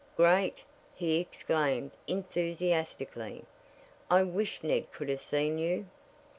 "Great!" he exclaimed enthusiastically. "I wish Ned could have seen you!"